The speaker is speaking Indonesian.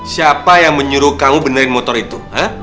siapa yang menyuruh kamu benerin motor itu